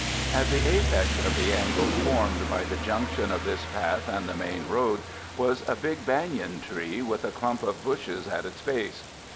At the apex of the angle formed by the junction of this path and the main road was a big banyan tree with a clump of bushes at its base.